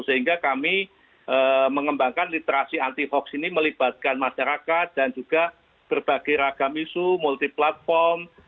sehingga kami mengembangkan literasi anti hoax ini melibatkan masyarakat dan juga berbagai ragam isu multi platform